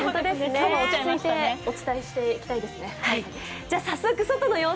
落ち着いてお伝えしていきたいですね。